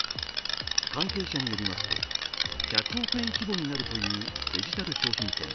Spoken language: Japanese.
関係者によりますと、１００億円規模になるというデジタル商品券。